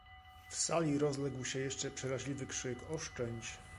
"W sali rozległ się jeszcze przeraźliwy krzyk: „Oszczędź!"